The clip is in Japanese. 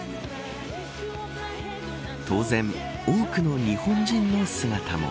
当然、多くの日本人の姿も。